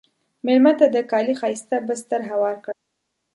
مېلمه ته د کالي ښایسته بستر هوار کړه.